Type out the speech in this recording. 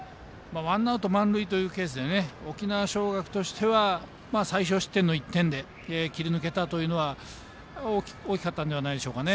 ワンアウト満塁という形で沖縄尚学としては最少失点の１点で切り抜けたというのは大きかったのではないでしょうか。